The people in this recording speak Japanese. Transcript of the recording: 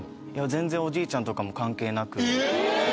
全然おじいちゃんとかも関係なくえ